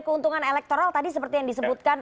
keuntungan elektoral tadi seperti yang disebutkan